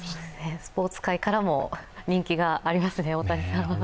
スポーツ界からも人気がありますね、大谷さんは。